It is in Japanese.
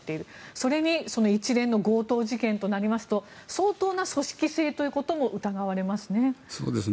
それに一連の強盗事件となりますと相当な組織性ということも疑われますね。